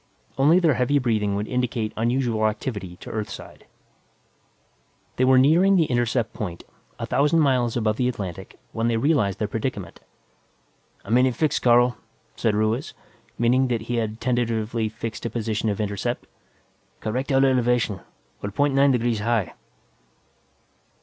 Only their heavy breathing would indicate unusual activity to Earthside. They were nearing the intercept point, a thousand miles above the Atlantic, when they realized their predicament. "I'm in a fix, Carl," said Ruiz, meaning that he had tentatively fixed a position of intercept. "Correct our elevation; we're point nine degrees high."